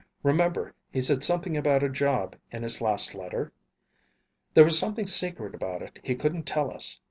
"Remember he said something about a job in his last letter? There was something secret about it he couldn't tell us.